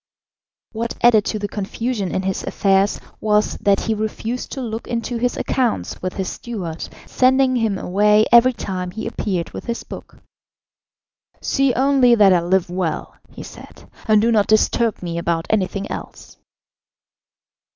What added to the confusion in his affairs was that he refused to look into his accounts with his steward, sending him away every time he appeared with his book. "See only that I live well," he said, "and do not disturb me about anything else."